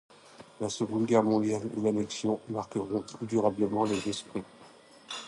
La Seconde Guerre mondiale et l'Annexion marqueront plus durablement les esprits.